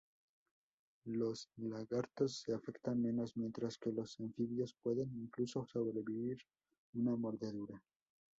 Los lagartos se afectan menos, mientras que los anfibios pueden incluso sobrevivir una mordedura.